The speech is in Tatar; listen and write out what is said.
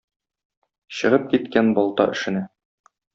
Чыгып киткән балта эшенә.